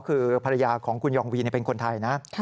คือภรรยาของคุณยองวีเป็นคนไทยนะ